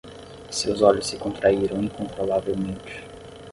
Seus olhos se contraíram incontrolavelmente.